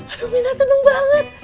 aduh mina seneng banget